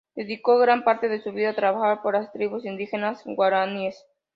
Dedicó gran parte de su vida a trabajar por las tribus indígenas guaraníes.